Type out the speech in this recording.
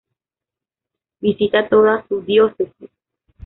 Visita toda su diócesis.